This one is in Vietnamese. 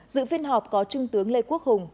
dự phiên họp có trung tướng lê quốc hùng